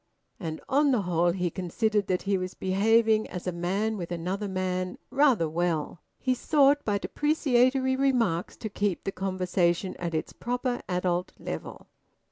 And on the whole he considered that he was behaving as a man with another man rather well. He sought by depreciatory remarks to keep the conversation at its proper adult level.